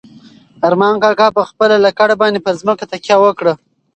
ارمان کاکا په خپله امسا باندې پر ځمکه تکیه وکړه.